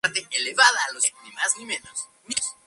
Odiseo se disfraza de mendigo y entra en Troya para espiar.